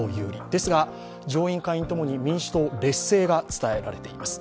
ですが、上院・下院ともに民主党劣勢が伝えられています。